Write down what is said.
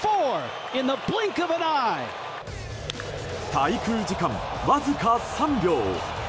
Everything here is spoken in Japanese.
滞空時間わずか３秒！